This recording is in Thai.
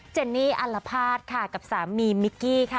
เจนนี่อัลละภาษกับสามีมิกกี้ค่ะ